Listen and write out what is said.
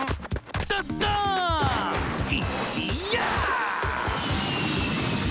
いや！